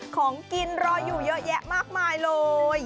ของกินรออยู่เยอะแยะมากมายเลย